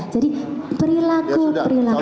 jadi perilaku perilaku itu